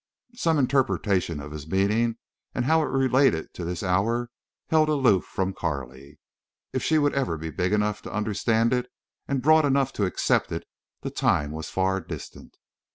Some interpretation of his meaning and how it related to this hour held aloof from Carley. If she would ever be big enough to understand it and broad enough to accept it the time was far distant.